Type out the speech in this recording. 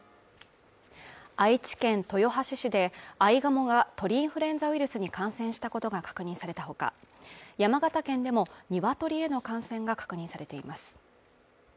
愛知県豊橋市でアイガモが鳥インフルエンザウイルスに感染したことが確認されたほか山形県でもニワトリへの感染が確認されています